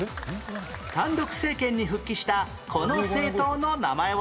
単独政権に復帰したこの政党の名前は？